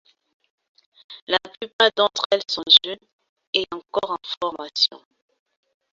La plupart d'entre elles sont jeunes et encore en formation.